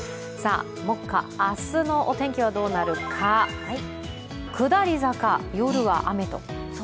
目下、明日の御天気はどうなるか、下り坂、夜は雨と。